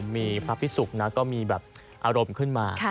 มีภรรพที่สุกเนี่ยก็อารมณ์ออกมา